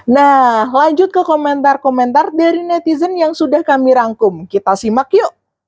nah lanjut ke komentar komentar dari netizen yang sudah kami rangkum kita simak yuk